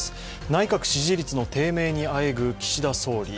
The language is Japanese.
内閣支持率の低迷にあえぐ岸田総理。